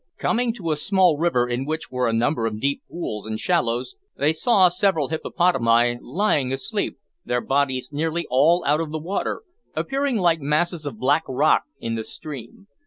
Coming to a small river in which were a number of deep pools and shallows, they saw several hippopotami lying asleep, their bodies nearly all out of the water, appearing like masses of black rock in the stream.